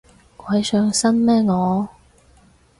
鬼上身咩我